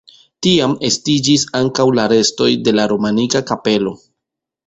Tiam estiĝis ankaŭ la restoj de la romanika kapelo.